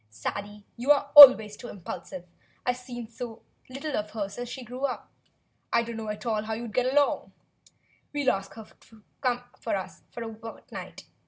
"Sadie, you are always too impulsive. I've seen so little of her since she grew up, and I don't know at all how you'd get on. We'll ask her to come to us for a fortnight.